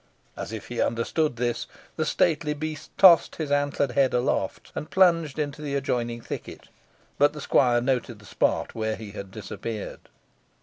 As if he understood him, the stately beast tossed his antlered head aloft, and plunged into the adjoining thicket; but the squire noted the spot where he had disappeared.